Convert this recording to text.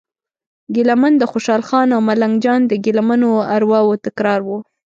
ګیله من د خوشال خان او ملنګ جان د ګیله منو ارواوو تکرار و.